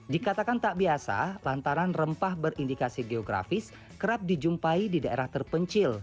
dikatakan tak biasa lantaran rempah berindikasi geografis kerap dijumpai di daerah terpencil